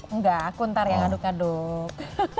enggak aku ntar yang aduk aduk